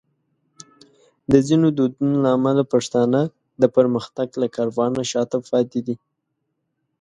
د ځینو دودونو له امله پښتانه د پرمختګ له کاروانه شاته پاتې دي.